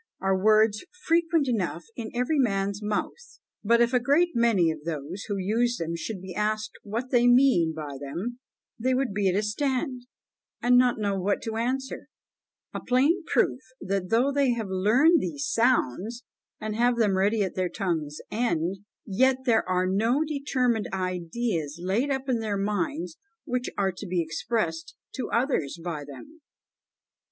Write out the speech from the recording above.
are words frequent enough in every man's mouth; but if a great many of those who use them should be asked what they mean by them, they would be at a stand, and know not what to answer a plain proof that though they have learned those sounds, and have them ready at their tongue's end, yet there are no determined ideas laid up in their minds which are to be expressed to others by them."